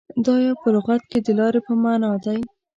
• دایو په لغت کې د لارې په معنیٰ دی.